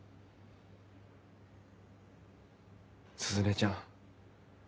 鈴音ちゃん。